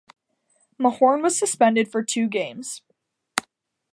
Mahorn was suspended for two games.